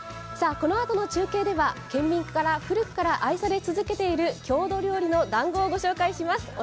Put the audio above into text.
このあとの中継では県民から古くから愛され続けている郷土料理のだんごを御紹介します。